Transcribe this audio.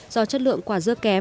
do chất lượng quả dưa kém